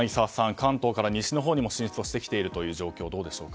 関東から西のほうにも進出してきているという情報どうですか。